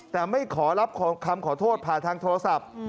แต่ไม่ขอรับคำขอโทษผ่านทางโทรศัพท์